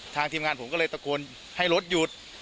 ทีมงานผมก็เลยตะโกนให้รถหยุด